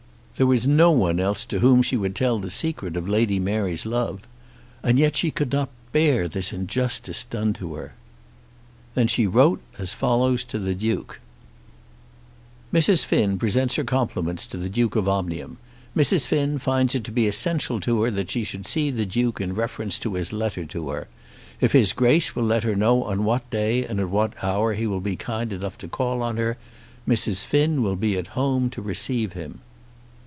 There was no one else to whom she would tell the secret of Lady Mary's love. And yet she could not bear this injustice done to her. Then she wrote as follows to the Duke: Mrs. Finn presents her compliments to the Duke of Omnium. Mrs. Finn finds it to be essential to her that she should see the Duke in reference to his letter to her. If his Grace will let her know on what day and at what hour he will be kind enough to call on her, Mrs. Finn will be at home to receive him.